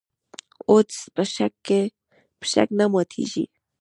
اودس په شک نه ماتېږي .